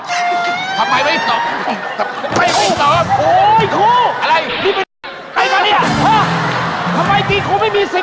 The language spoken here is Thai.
ทำไมกีคนไม่มี๑๐ตั้งหรือ